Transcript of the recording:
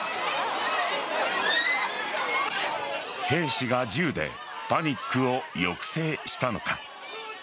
兵士が銃でパニックを抑制したのか。